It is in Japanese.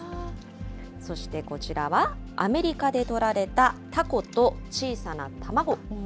そして、こちらはアメリカで撮られたタコと小さな卵。